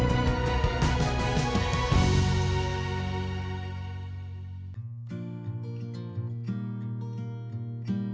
bagaimana farhan zoe udah bisa